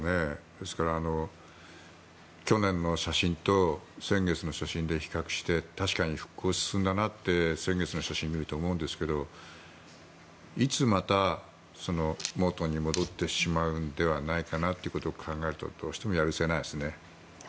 ですから、去年の写真と先月の写真で比較して確かに復興、進んだなって先月の写真を見ると思うんですけどいつまた、元に戻ってしまうのではないかと思うとどうしてもやるせないですね。